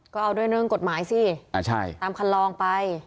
ก็เอาด้วยเรื่องกฎหมายสิตามคันลองไป